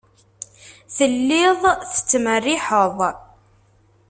Telliḍ tettmerriḥeḍ.